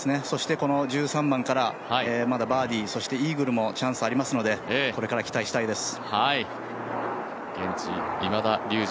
そして１３番からまだバーディー、イーグルもチャンスありますのでこれから期待したいです。